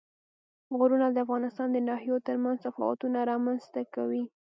غرونه د افغانستان د ناحیو ترمنځ تفاوتونه رامنځ ته کوي.